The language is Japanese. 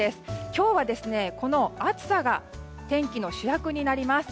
今日は暑さが天気の主役になります。